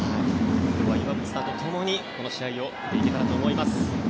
今日は岩渕さんとともにこの試合を見ていきたいと思います。